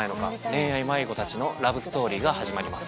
恋愛迷子たちのラブストーリーが始まります。